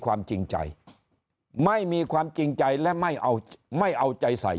ความจริงใจไม่มีความจริงใจและไม่เอาไม่เอาใจใส่